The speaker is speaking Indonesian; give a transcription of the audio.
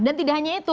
dan tidak hanya itu